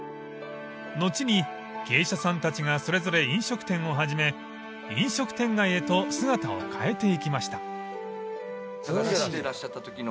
［後に芸者さんたちがそれぞれ飲食店を始め飲食店街へと姿を変えていきました］